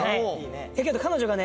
だけど彼女がね